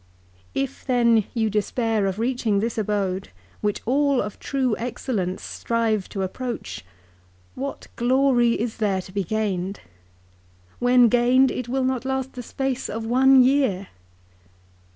If then you despair of reaching this abode, which all of true excellence strive to approach, what glory is there to be gained ? When gained it will not last the space of one year.